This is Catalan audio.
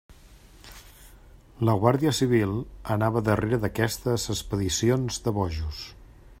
La guàrdia civil anava darrere d'aquestes expedicions de bojos.